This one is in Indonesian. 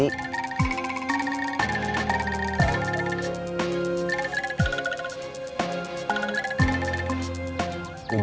iwan fokus ke tinyu